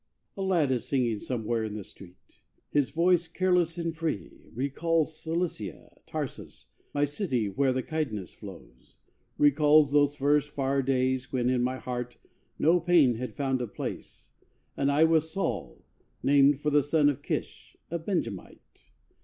A lad is singing somewhere in the street; His voice, careless and free, recalls Cilicia Tarsus, my city, where the Cydnus flows Recalls those first, far days when in my heart No pain had found a place, and I was Saul Named for the Son of Kish A Benjamite.